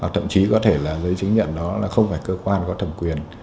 thậm chí có thể là giấy chứng nhận đó là không phải cơ quan có thẩm quyền